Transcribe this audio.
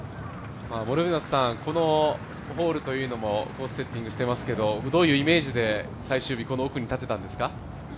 このホールというのもコースセッティングしてますけどどういうイメージで最終日、この奥に立てたんですか？